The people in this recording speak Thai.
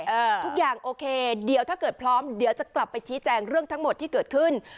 ทุกอย่างโอเคเดี๋ยวถ้าเกิดพร้อมเดี๋ยวจะกลับไปชี้แจงเรื่องทั้งหมดที่เกิดขึ้น